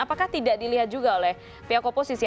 apakah tidak dilihat juga oleh pihak oposisi